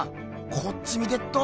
こっち見てっど。